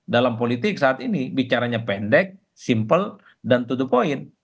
dalam politik saat ini bicaranya pendek simple dan to the point